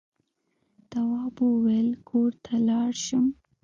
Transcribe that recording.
تواب وويل: کور ته لاړ شم.